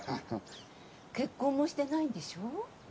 結婚もしてないんでしょ？